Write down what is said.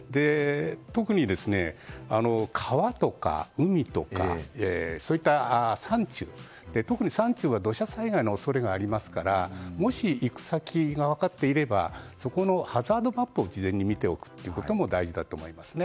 特に川とか海とかそういった山中特に山中は土砂災害の恐れがありますからもし、行く先が分かっていればそこのハザードマップを事前に見ておくことも大事だと思いますね。